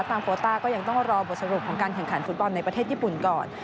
โคต้าก็ยังต้องรอบทสรุปของการแข่งขันฟุตบอลในประเทศญี่ปุ่นก่อน